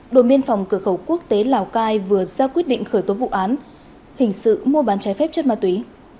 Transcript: đồn biên phòng cửa khẩu quốc tế lào cai vừa ra quyết định khởi tố vụ án hình sự mua bán trái phép chất ma túy